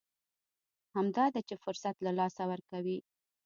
همدا ده چې فرصت له لاسه ورکوي.